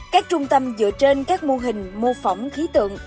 các trung tâm dựa trên các mô hình mô phỏng khí tượng